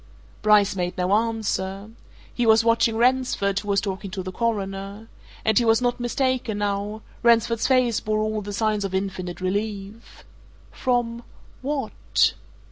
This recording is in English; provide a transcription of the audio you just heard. Bryce made no answer. He was watching Ransford, who was talking to the Coroner. And he was not mistaken now Ransford's face bore all the signs of infinite relief. From what?